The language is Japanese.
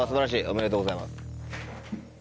おめでとうございます。